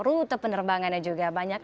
rute penerbangannya juga banyak